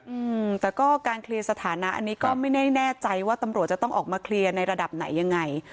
อืมแต่ก็การเคลียร์สถานะอันนี้ก็ไม่แน่ใจว่าตำรวจจะต้องออกมาเคลียร์ในระดับไหนยังไง